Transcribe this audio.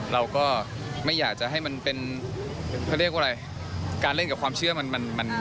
เราก็ไม่อยากจะให้มันเป็นเขาเรียกว่าอะไรการเล่นกับความเชื่อมันมัน